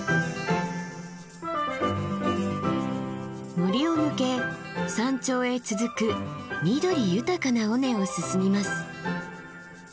森を抜け山頂へ続く緑豊かな尾根を進みます。